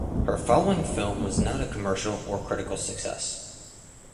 Her following film was not a commercial or critical success.